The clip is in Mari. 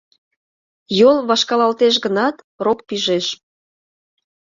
Йол вашкалалтеш гынат, рок пижеш.